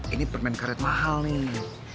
ini permen karet mahal nih